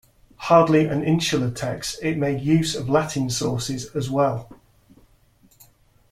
Hardly an insular text, it made use of Latin sources as well.